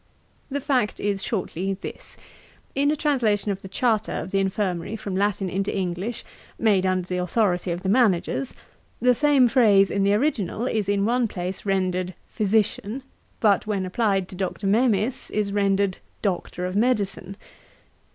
'The fact is shortly this. In a translation of the charter of the Infirmary from Latin into English, made under the authority of the managers, the same phrase in the original is in one place rendered Physician, but when applied to Dr. Memis is rendered Doctor of Medicine. Dr.